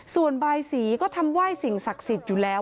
ส่วนบายสีก็ทำไหว้สิ่งศักดิ์สิทธิ์อยู่แล้ว